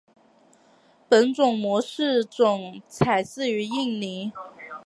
本种模式种采自于印尼。